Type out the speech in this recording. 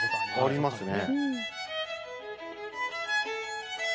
ありますね。